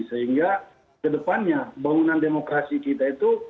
sehingga kedepannya bangunan demokrasi kita itu